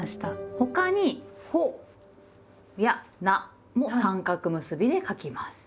他に「ほ」や「な」も三角結びで書きます。